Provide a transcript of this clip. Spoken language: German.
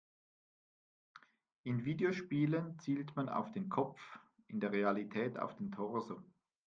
In Videospielen zielt man auf den Kopf, in der Realität auf den Torso.